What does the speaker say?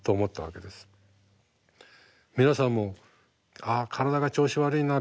皆さんもああ体が調子悪いなあ